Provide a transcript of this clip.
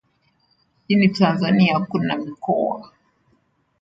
Nchini Tanzania kuna mikoa